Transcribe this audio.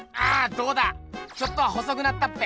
どうだちょっとは細くなったっぺ？